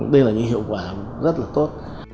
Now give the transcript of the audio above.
đây là những hiệu quả rất là tốt